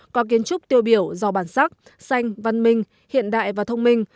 có kiến trúc tiêu biểu giàu bản sắc xanh văn minh hiện đại và thông minh